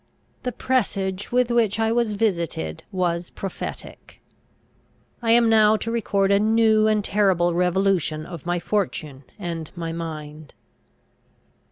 The presage with which I was visited was prophetic. I am now to record a new and terrible revolution of my fortune and my mind.